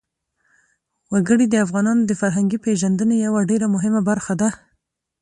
وګړي د افغانانو د فرهنګي پیژندنې یوه ډېره مهمه برخه ده.